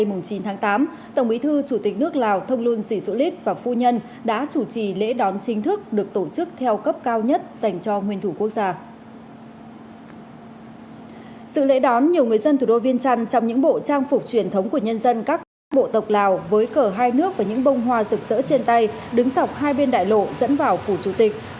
bộ tộc lào với cờ hai nước và những bông hoa rực rỡ trên tay đứng dọc hai bên đại lộ dẫn vào phủ chủ tịch